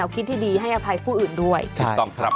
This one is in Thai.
คิดที่ดีให้อภัยผู้อื่นด้วยถูกต้องครับ